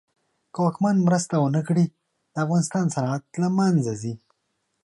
که واکمن مرسته ونه کړي د افغانستان صنعت له منځ ځي.